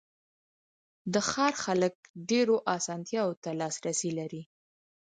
د ښار خلک ډېرو آسانتیاوو ته لاسرسی لري.